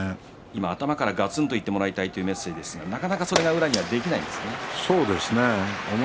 頭からガツンといってもらいたいというメッセージがありますがなかなかそれが宇良にはそうですね。